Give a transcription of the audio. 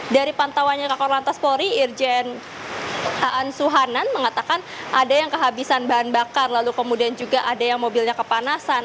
dari pantauannya kakor lantas polri irjen haan suhanan mengatakan ada yang kehabisan bahan bakar lalu kemudian juga ada yang mobilnya kepanasan